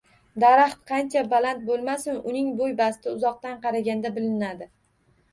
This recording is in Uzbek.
Daraxt qancha baland bo‘lmasin, uning bo‘y-basti uzoqdan qaraganda bilinadi.